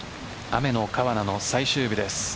雨の川奈の最終日です。